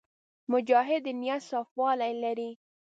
مجاهد د نیت صفاوالی لري.